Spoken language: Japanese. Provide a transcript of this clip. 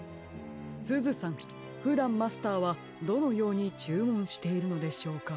すずさんふだんマスターはどのようにちゅうもんしているのでしょうか？